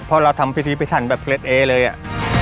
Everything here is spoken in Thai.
เพราะเราทำภิกษีภิกษ์ฉันแบบเกรดเอ๊เลยอ่ะ